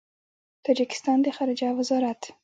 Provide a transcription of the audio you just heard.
د تاجکستان د خارجه وزارت